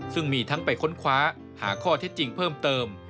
ซึ่งมีทั้งไปค้นคว้าหาข้อเท็จจริงเพิ่มเติม